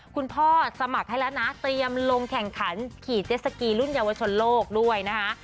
คุณพ่อสมัครให้แล้วนะเตรียมลงแข่งขันขี่เจสสกีรุ่นเยาวชนโลกด้วยนะคะ